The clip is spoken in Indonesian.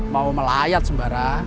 mau melayat sembara